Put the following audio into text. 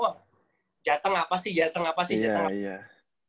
jateng apa sih jateng apa sih jateng apa sih